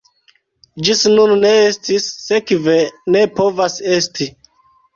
Ĝis nun ne estis, sekve ne povas esti!